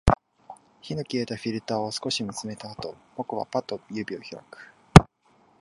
火の消えたフィルターを少し見つめたあと、僕はパッと指を開く